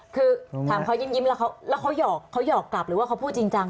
คือถามเขายิ้มแล้วแล้วเขาหยอกกลับหรือว่าเขาพูดจริงจัง